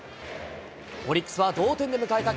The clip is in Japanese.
オリックスは同点で迎えた